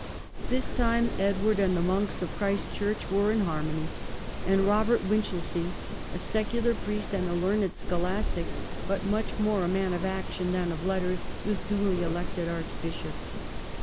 This time Edward and the monks of Christ Church were in harmony, and Robert Winchelsea, a secular priest and a learned schol astic, but much more a man of action than of letters, was duly elected archbishop.